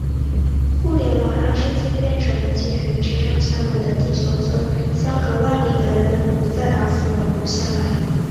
互联网让世界变成了“鸡犬之声相闻”的地球村，相隔万里的人们不再“老死不相往来”。